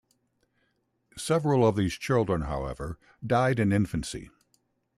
Several of these children, however, died in infancy.